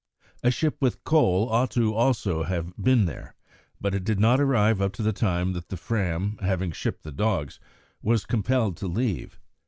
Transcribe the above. A ship with coal ought also to have been there, but it did not arrive up to the time that the Fram, having shipped the dogs, was compelled to leave.